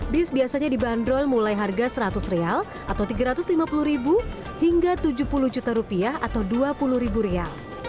bis biasanya dibanderol mulai harga seratus rial atau tiga ratus lima puluh hingga tujuh puluh juta rupiah atau dua puluh ribu rupiah